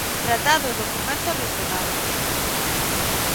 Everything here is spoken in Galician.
Tratado e documentos relacionados